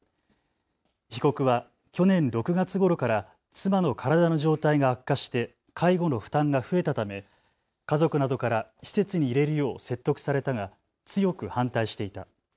被告は去年６月ごろから妻の体の状態が悪化して介護の負担が増えたため、家族などから施設に入れるよう説得されたが強く反対していた。